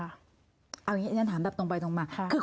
เอาอย่างงี้แน่นถามแบบตรงไปตรงมันค่ะคือ